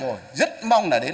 các tỉnh đang làm rồi